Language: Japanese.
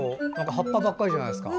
葉っぱばかりじゃないですか。